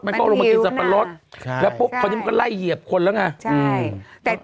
มันก็ออกมากินสับปะรดแล้วพรุ่งนี้มันก็ไล่เหยียบคนแล้วไง